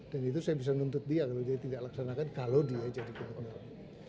dan itu saya bisa nuntut dia kalau dia tidak laksanakan kalau dia jadi penyakit